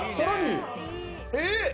えっ！？